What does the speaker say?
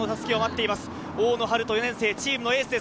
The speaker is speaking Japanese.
大野陽人・４年生、チームのエースです。